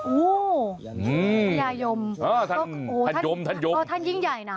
อูวท่านยิ่งใหญ่นะ